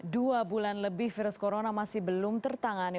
dua bulan lebih virus corona masih belum tertangani